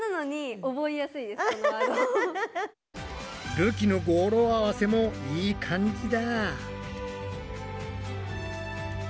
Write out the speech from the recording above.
るきの語呂合わせもいい感じだ。